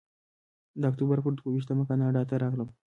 د اکتوبر پر دوه ویشتمه کاناډا ته راغلم.